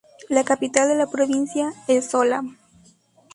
La capital de la provincia es Sola.